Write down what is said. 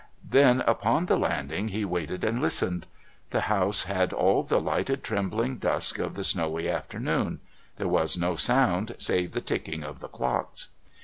Then upon the landing he waited and listened. The house had all the lighted trembling dusk of the snowy afternoon; there was no sound save the ticking of the clocks.